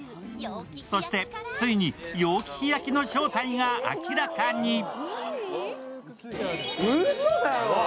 そして、ついに楊貴妃焼きの正体が明らかに。